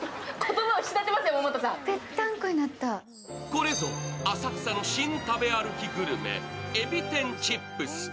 これぞ浅草の新食べ歩きグルメ、えび天チップス。